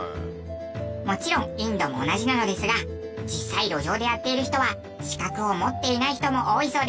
もちろんインドも同じなのですが実際路上でやっている人は資格を持っていない人も多いそうです。